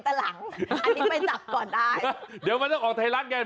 หลังหลังหลังชาวบ้านแถวนั้นเขาเริ่มบ่นแล้วนะ